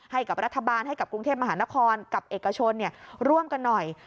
ให้กับรัฐบาลให้กับกรุงเทพมหานครกับเอกชนร่วมกันหน่อย